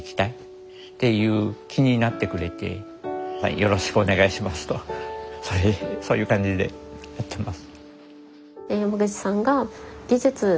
よろしくお願いしますとそういう感じでやってます。